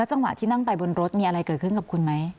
จังหวะที่นั่งไปบนรถมีอะไรเกิดขึ้นกับคุณไหม